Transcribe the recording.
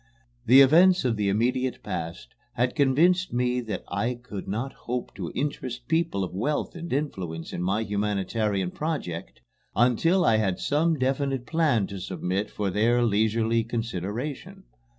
The events of the immediate past had convinced me that I could not hope to interest people of wealth and influence in my humanitarian project until I had some definite plan to submit for their leisurely consideration.